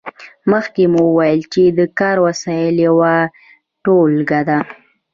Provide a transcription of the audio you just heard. مخکې مو وویل چې د کار وسایل یوه ټولګه ده.